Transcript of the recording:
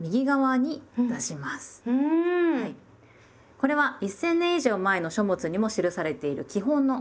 これは一千年以上前の書物にも記されている基本の書き方です。